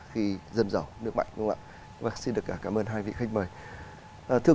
khi dân giàu